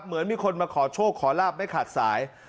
เหมือนมีคนมาขอโชคขอลาบไม่ขาดสาย